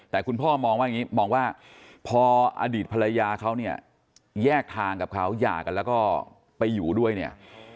แต่คุณพ่อมองว่าอย่างนี้มองว่าพออดีตภรรยาเขาเนี่ยแยกทางกับเขาหย่ากันแล้วก็ไปอยู่ด้วยเนี่ย